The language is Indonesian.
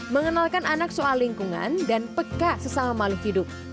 mengenalkan anak soal lingkungan dan peka sesama makhluk hidup